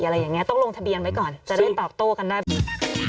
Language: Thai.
อะไรอย่างนี้ต้องลงทะเบียนไว้ก่อนจะได้ตอบโต้กันได้ไหม